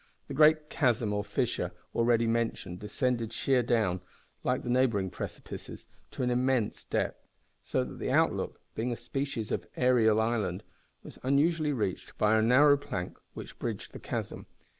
The great chasm or fissure already mentioned descended sheer down, like the neighbouring precipices, to an immense depth, so that the Outlook, being a species of aerial island, was usually reached by a narrow plank which bridged the chasm.